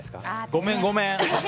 ごめん、ごめん。